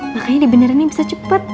makanya sebenernya bisa cepet